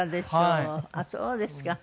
あっそうですか。